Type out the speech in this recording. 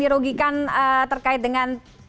dirugikan terkait dengan